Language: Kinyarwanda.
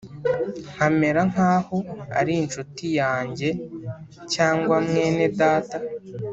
Nkamera nk’aho ari incuti yanjye, cyangwa mwene data